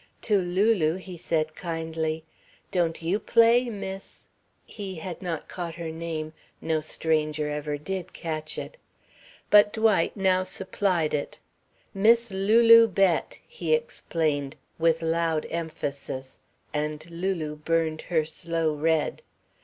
To Lulu he said kindly, "Don't you play, Miss ?" He had not caught her name no stranger ever did catch it. But Dwight now supplied it: "Miss Lulu Bett," he explained with loud emphasis, and Lulu burned her slow red.